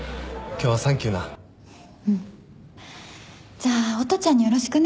じゃあ音ちゃんによろしくね。